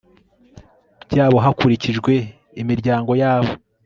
byabo hakurikijwe imiryango yabo